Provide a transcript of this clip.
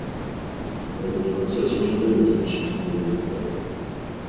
Этот процесс уже дает значительные результаты.